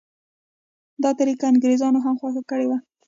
دا طریقه انګریزانو هم خوښه کړې وه.